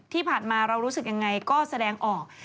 ที่ผ่านมาเรารู้สึกยังไงก็แสดงออก